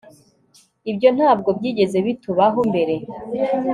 Ibyo ntabwo byigeze bitubaho mbere